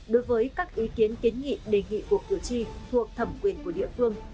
đối với các ý kiến kiến nghị đề nghị của cử tri thuộc thẩm quyền của địa phương